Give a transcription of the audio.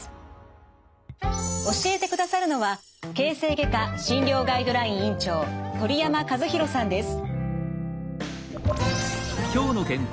教えてくださるのは形成外科診療ガイドライン委員長鳥山和宏さんです。